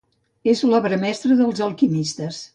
És l'Obra mestra dels alquimistes.